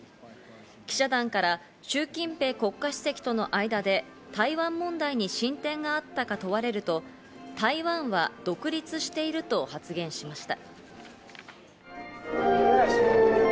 記者団からシュウ・キンペイ国家主席との間で台湾問題に進展があったか問われると、台湾は独立していると発言しました。